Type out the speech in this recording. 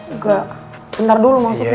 enggak bentar dulu maksudnya